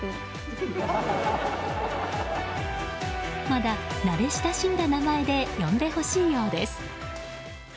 まだ慣れ親しんだ名前で呼んでほしいようです。